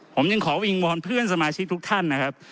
ผมยังขอวิงวอนเพื่อนสมาชิกทุกท่านนะครับ